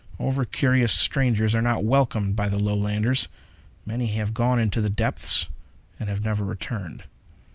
Over curious strangers are not welcomed by the Lowlanders. Many have gone into the depths and have never returned....